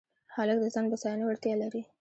هلک د ځان بساینې وړتیا لري.